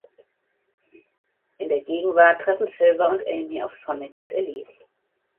In der Gegenwart treffen Silver und Amy auf Sonic und Elise.